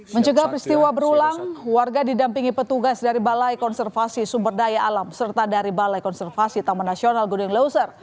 mencoba peristiwa berulang warga didampingi petugas dari balai konservasi sumber daya alam serta dari balai konservasi tnbbs